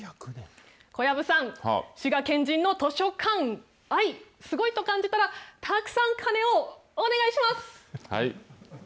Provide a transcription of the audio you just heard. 小籔さん、滋賀県人の図書館愛、すごいと感じたら、たくさん鐘をお願いします。